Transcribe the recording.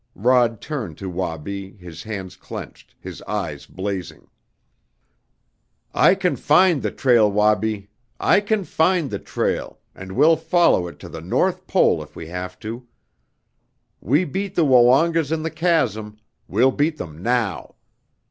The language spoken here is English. Rod turned to Wabi, his hands clenched, his eyes blazing. "I can find the trail, Wabi! I can find the trail and we'll follow it to the North Pole if we have to! We beat the Woongas in the chasm we'll beat them now!